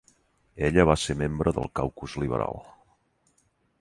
Ella va ser membre del caucus liberal.